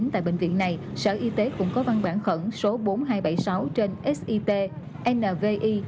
tại bệnh viện này sở y tế cũng có văn bản khẩn số bốn nghìn hai trăm bảy mươi sáu trên sip nvi